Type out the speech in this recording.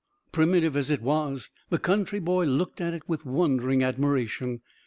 Primitive as it was, the country boy looked at it with wondering admiration.